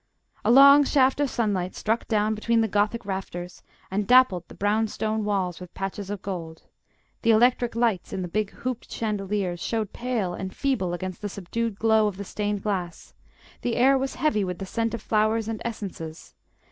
A long shaft of sunlight struck down between the Gothic rafters, and dappled the brown stone walls with patches of gold; the electric lights in the big hooped chandeliers showed pale and feeble against the subdued glow of the stained glass; the air was heavy with the scent of flowers and essences.